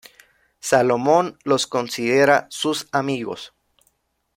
Salomón los considera sus amigos.